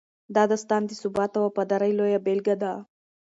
دا داستان د ثبات او وفادارۍ لویه بېلګه ده.